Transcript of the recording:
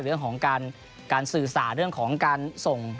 และอุตส่าห์เรื่องของการส่ง